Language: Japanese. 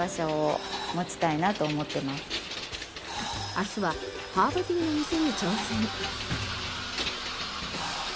明日はハーブティーの店に挑戦。